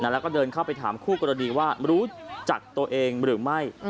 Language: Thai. แล้วก็เดินเข้าไปถามคู่กรณีว่ารู้จักตัวเองหรือไม่